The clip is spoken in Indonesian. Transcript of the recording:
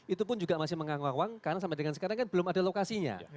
itu pun juga masih mengawang awang karena sampai dengan sekarang kan belum ada lokasinya